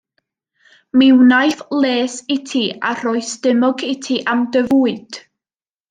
Mi wnaiff les i ti a rhoi stumog i ti am dy fwyd.